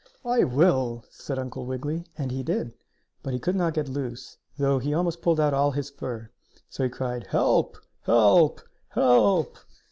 "I will," said Uncle Wiggily, and he did, but he could not get loose, though he almost pulled out all his fur. So he cried: "Help! Help! Help!"